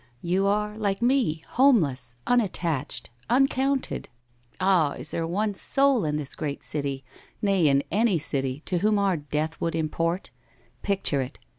' You are like me, homeless, unattached, un counted, ah! — is there one soul in this great city, nay in any city, to whom our death would import? Picture it!